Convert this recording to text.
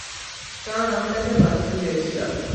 কারণ আমি তাকে বাঁচাতে চেয়েছিলাম।